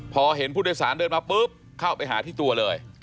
พอเห็นผู้โดยสารเดินมาปุ๊บเข้าไปหาที่ตัวเลย